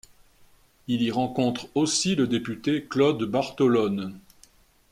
Il y rencontre aussi le député Claude Bartolone.